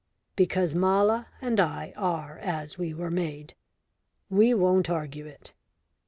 "Because Mala and I are as we were made. We won't argue it."